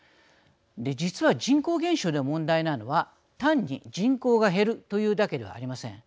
実は人口減少で問題なのは単に人口が減るというだけではありません。